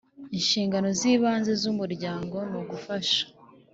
Inshingano z ibanze z Umuryango ni ugufasha .